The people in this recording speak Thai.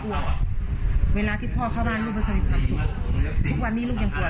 กลัวเวลาที่พ่อเข้าบ้านลูกมันควรควรควรสุขทุกวันนี้ลูกยังกลัวอยู่